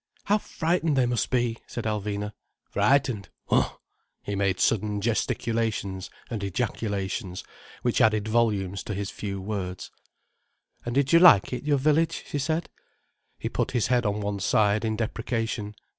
"How frightened they must be—!" said Alvina. "Frightened—hu!" he made sudden gesticulations and ejaculations, which added volumes to his few words. "And did you like it, your village?" she said. He put his head on one side in deprecation.